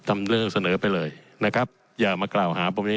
เรื่องเสนอไปเลยนะครับอย่ามากล่าวหาพวกนี้